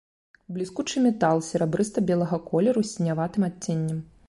Бліскучы метал серабрыста-белага колеру з сіняватым адценнем.